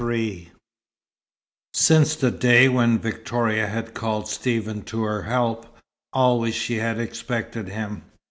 XLIII Since the day when Victoria had called Stephen to her help, always she had expected him.